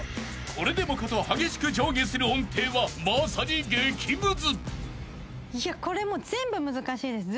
これでもかと激しく上下する音程はまさに激ムズ］とこにいくんですよ。